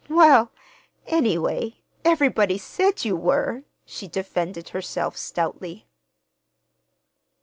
"Well, anyway, everybody said you were!" she defended herself stoutly.